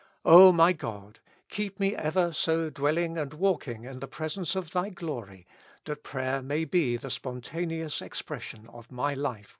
O my God ! keep me ever so dwelling and walking in the presence of Thy glory, that prayer may be the spontaneous expression of my life with Thee.